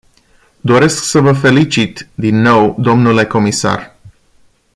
Doresc să vă felicit, din nou, dle comisar.